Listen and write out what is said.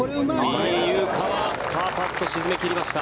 仁井優花はパーパット沈め切りました。